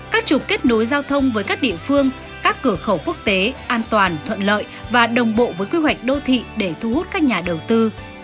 các trục kết nối giao thông với các địa phương các cửa khẩu quốc tế an toàn thuận lợi và đồng bộ với quy hoạch đô thị để thu hút các nhà đầu tư